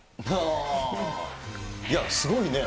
いや、すごいね。